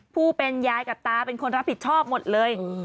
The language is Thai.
ผู้เป็นยายกับตาเป็นคนรับผิดชอบหมดเลย